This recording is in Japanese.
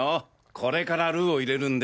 これからルーを入れるんで。